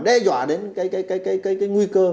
đe dọa đến cái nguy cơ